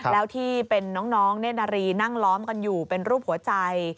แล้วที่เป็นน้องเน่นนารีนั่งล้อมกันอยู่เป็นรูปหัวใจ